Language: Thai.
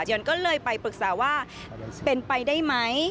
เดี๋ยวก็เลยไปปรึกษาว่าเป็นไปได้ไหม